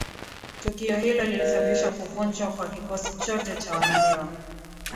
Tukio hilo lilisababisha kuvunjwa kwa kikosi chote cha wanahewa